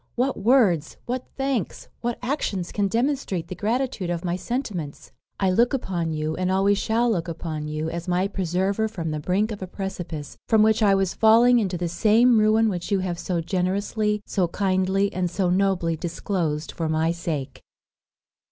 what words, what thanks, what actions can demonstrate the gratitude of my sentiments! I look upon you, and always shall look upon you, as my preserver from the brink of a precipice, from which I was falling into the same ruin which you have so generously, so kindly, and so nobly disclosed for my sake."